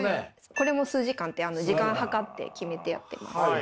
これも数時間って時間測って決めてやってます。